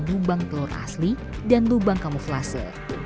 lubang telur asli dan lubang kamuflase